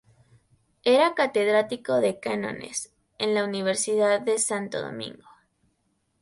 Era catedrático de cánones en la Universidad de Santo Domingo.